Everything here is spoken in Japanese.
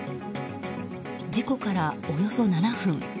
事故から、およそ７分。